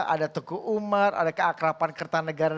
ada teguh umar ada keakrapan kertanegara